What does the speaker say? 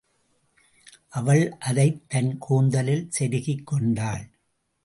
அவள் அதைத் தன் கூந்தலில் செருகிக் கொண்டாள்.